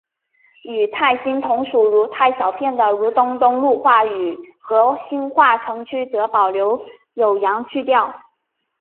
与泰兴同属如泰小片的如东东路话和兴化城区则保留有阳去调。